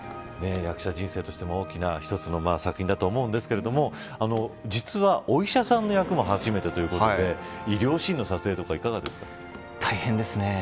役者人生としても大きな一つの作品だと思うんですけど実は、お医者さんの役も初めてということで医療シーンの撮影とか大変ですね。